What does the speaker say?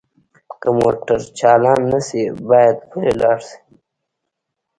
که موټر چالان نه شي باید پلی لاړ شئ